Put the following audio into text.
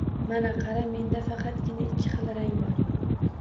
Mana, qara, menda faqatgina ikki xil rang bor